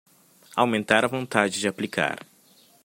Aumentar a vontade de aplicar